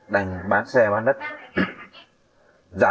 đành chấp nhận đồng giả